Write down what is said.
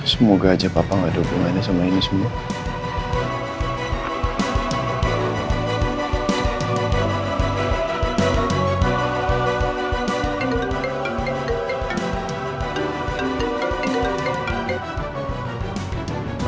semoga aja papa gak dukungannya sama ini semua